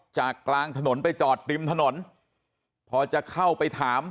กลางถนนไปจอดริมถนนพอจะเข้าไปถาม